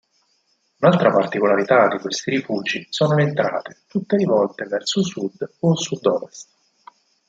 Un'altra particolarità di questi rifugi sono le entrate, tutte rivolte verso sud o sud-ovest.